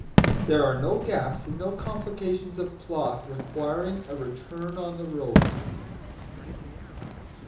There are no gaps, and no complications of plot requiring a return on the road.